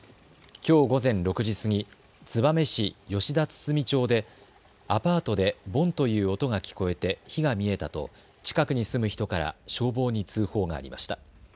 きょう午前６時過ぎ、燕市吉田堤町でアパートでボンという音が聞こえて火が見えたと近くに住む人から消防に通報がありました。